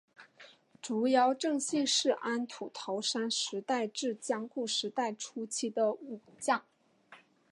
竹腰正信是安土桃山时代至江户时代初期的武将。